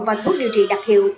và thuốc điều trị đặc hiệu